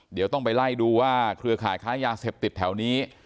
เดี๋ยวต้องไปไล่ดูว่าเครือข่ายค้ายาเสพติดแถวนี้